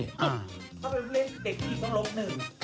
ถ้าไปเล่นเด็กผู้หญิงต้องลบหนึ่ง